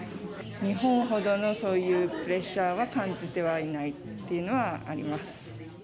日本ほどのそういうプレッシャーは感じてはいないっていうのはあります。